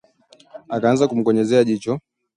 Akaanza kumkonyezea jicho